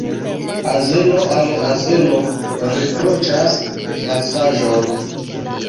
Azeno al azeno riproĉas malsaĝon.